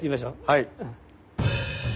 はい。